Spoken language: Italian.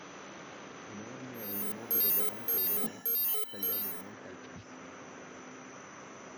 Enorme e immobile davanti ai loro occhi si stagliava un monte altissimo